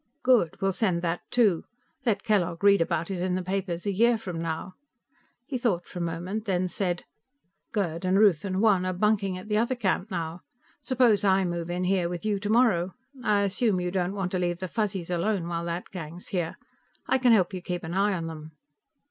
"Good. We'll send that, too. Let Kellogg read about it in the papers a year from now." He thought for a moment, then said: "Gerd and Ruth and Juan are bunking at the other camp now; suppose I move in here with you tomorrow. I assume you don't want to leave the Fuzzies alone while that gang's here. I can help you keep an eye on them."